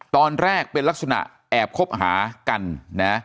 ตอนแรกเป็นลักษณะแอบคบหากันนะ